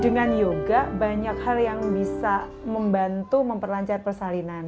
dengan yoga banyak hal yang bisa membantu memperlancar persalinan